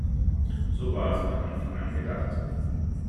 So war es von Anfang an gedacht.